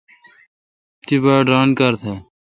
تی باڑ ران کار تھال۔